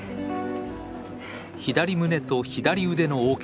左胸と左腕の大けが。